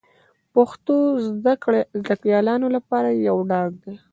پښتو زده کړیالانو لپاره یو ډاډ دی